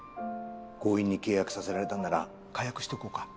強引に契約させられたんなら解約しておこうか。